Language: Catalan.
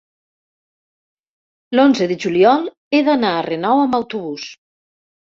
l'onze de juliol he d'anar a Renau amb autobús.